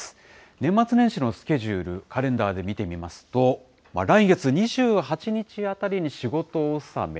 年末年始のスケジュール、カレンダーで見てみますと、来月２８日あたりに仕事納め。